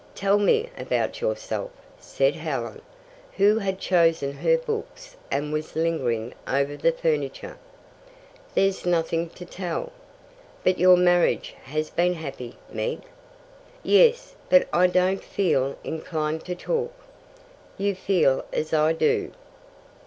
"Tell me about yourself," said Helen, who had chosen her books, and was lingering over the furniture. "There's nothing to tell." "But your marriage has been happy, Meg?" "Yes, but I don't feel inclined to talk." "You feel as I do."